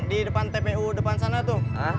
di depan tpu depan sana tuh